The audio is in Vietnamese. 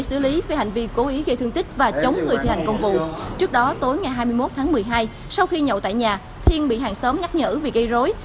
sau khi nhậu tại nhà thiên bị hàng xóm nhắc nhở vì gây rối